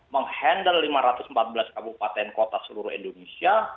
menghandle lima ratus empat belas kabupaten kota seluruh indonesia